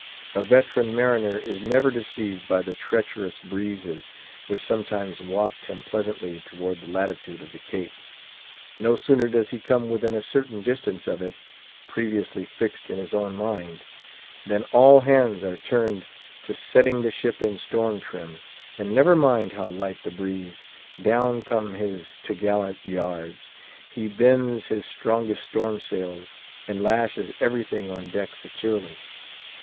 A veteran mariner is never deceived by the treacherous breezes which sometimes waft him pleasantly toward the latitude of the Cape. No sooner does he come within a certain distance of it—previously fixed in his own mind—than all hands are turned to setting the ship in storm trim; and never mind how light the breeze, down come his t' gallant yards. He "bends" his strongest storm sails, and lashes every thing on deck securely.